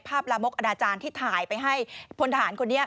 ลามกอนาจารย์ที่ถ่ายไปให้พลทหารคนนี้